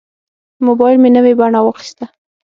موبایل مې نوې بڼه واخیسته.